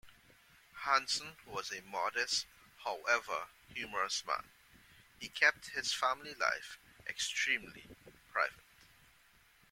Hanson was a modest however humorous man, he kept his family life extremely private.